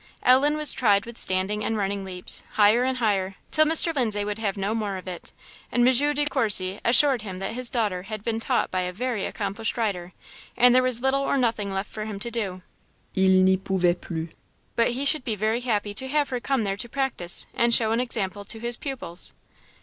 Ellen was tried with standing and running leaps, higher and higher, till Mr. Lindsay would have no more of it; and M. De Courcy assured him that his daughter had been taught by a very accomplished rider, and there was little or nothing left for him to do; "il n'y pouvoit plus;" but he should be very happy to have her come there to practise, and show an example to his pupils.